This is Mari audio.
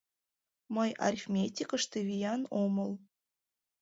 Мый арифметикыште виян омыл.